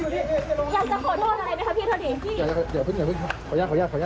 อยากจะวิ่งอยากจะวิ่งขออนุญาตขออนุญาตนะ